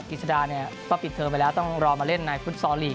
กิจสดาเนี่ยก็ปิดเทอมไปแล้วต้องรอมาเล่นในฟุตซอลลีก